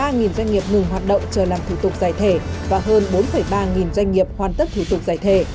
một mươi một ba nghìn doanh nghiệp ngừng hoạt động chờ làm thủ tục giải thể và hơn bốn ba nghìn doanh nghiệp hoàn tất thủ tục giải thể